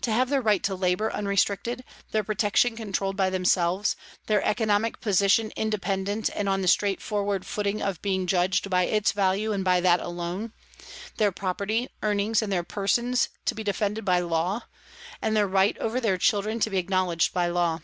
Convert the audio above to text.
To have their right to labour unrestricted, their protection controlled by themselves, their economic position independent and on the straightforward footing of being judged by its value and by that alone ; their property, earnings, and their persons to be defended by law, and their right over their children to be acknowledged by law.